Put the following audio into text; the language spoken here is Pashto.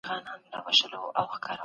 فلسفي او علمي بحثونه کي باید برخه واخلئ.